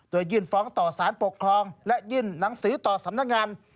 โดยยื่นฟ้องต่อสารปกครองและยื่นหนังสือต่อสำนักงาน